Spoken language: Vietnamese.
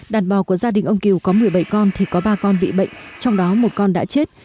đàn bò của gia đình ông kiều có một mươi bảy con thì có ba con bị bệnh trong đó một con đã chết